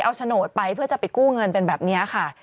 เอาโฉนดไปเพื่อจะไปกู้เงินเป็นแบบนี้ค่ะ